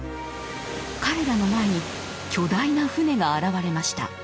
彼らの前に巨大な船が現れました。